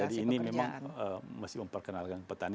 jadi ini memang masih memperkenalkan petani